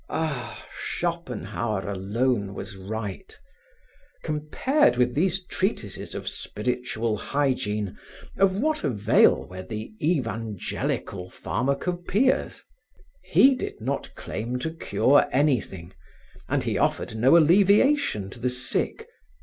Ah! Schopenhauer alone was right. Compared with these treatises of spiritual hygiene, of what avail were the evangelical pharmacopoeias? He did not claim to cure anything, and he offered no alleviation to the sick.